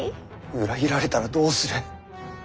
裏切られたらどうする。